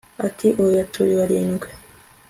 ati oya, turi barindwi